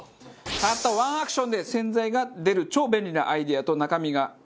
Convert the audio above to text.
たったワンアクションで洗剤が出る超便利なアイデアと中身が見える